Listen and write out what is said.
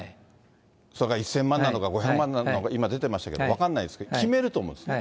それが１０００万なのか、５００万なのか、今出てましたけど、分かんないですけど、決めると思うんですね。